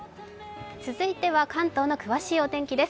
続いては関東の詳しいお天気です。